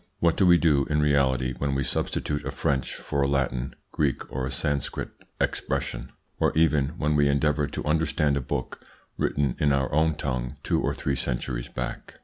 What do we do in reality when we substitute a French for a Latin, Greek, or Sanscrit expression, or even when we endeavour to understand a book written in our own tongue two or three centuries back?